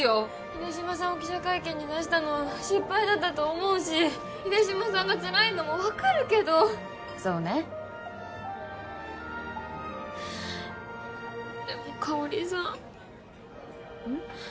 秀島さんを記者会見に出したのは失敗だったと思うし秀島さんがつらいのも分かるけどそうねでもかほりさんうん？